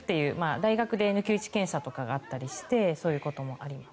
大学で抜き打ち検査とかがあったりしてそういうこともあります。